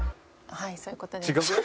はいそういう事です。